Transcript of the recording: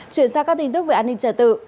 chuyển sang các tin tức về an ninh trả tự